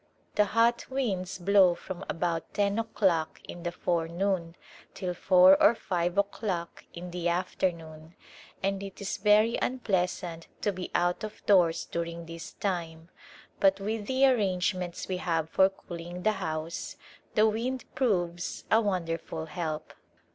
The hot winds blow from about ten o'clock in the forenoon till four or five o'clock in the afternoon, and it is very un pleasant to be out of doors during this time, but with the arrangements we have for cooling the house the wind proves a wonderful help.